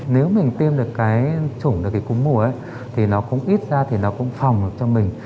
nếu mình tiêm được cái chủng được cái cúm mùa thì nó cũng ít ra thì nó cũng phòng được cho mình